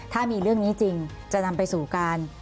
ถ้ามีเรื่องนี้จริงจะนำไปสู่การ